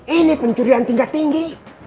ini pencurian tingkat tinggi